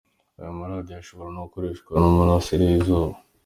Aya maradiyo ashobora no gukoreshwa n'umurasire w'izuba.